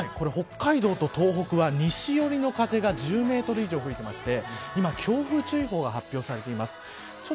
北海道と東北は西寄りの風が１０メートル以上吹いてまして今強風注意報が発表されています。